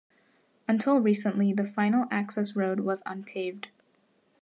Until recently, the final access road was unpaved.